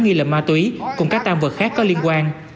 nghi là ma túy cùng các tam vật khác có liên quan